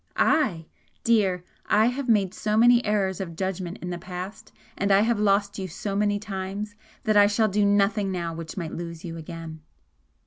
"I! Dear, I have made so many errors of judgment in the past and I have lost you so many times, that I shall do nothing now which might lose you again!"